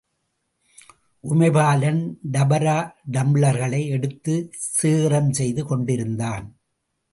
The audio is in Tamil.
உமைபாலன் டபரா டம்ளர்களை எடுத்துச் சேகரம் செய்து கொண்டிருந்தான்.